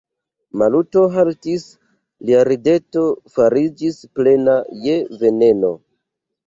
Maluto haltis, lia rideto fariĝis plena je veneno.